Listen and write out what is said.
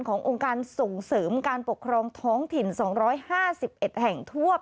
ขององค์การส่งเสริมการปกครองท้องถิ่นสองร้อยห้าสิบเอ็ดแห่งทั่วประเทศ